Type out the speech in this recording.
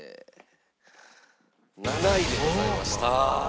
７位でございました。